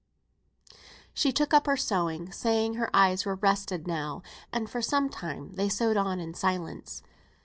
] She took up her sewing, saying her eyes were rested now, and for some time they sewed on in silence.